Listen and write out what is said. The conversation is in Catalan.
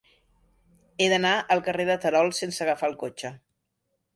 He d'anar al carrer de Terol sense agafar el cotxe.